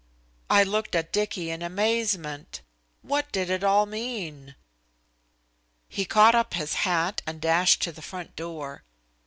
I looked at Dicky in amazement. What did it all mean? He caught up his hat and dashed to the front door.